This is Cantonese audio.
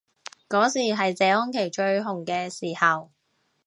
嗰時係謝安琪最紅嘅時候